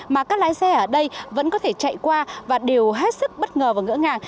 mà các lái xe ở đây vẫn có thể chạy qua và đều hết sức bất ngờ và ngỡ ngàng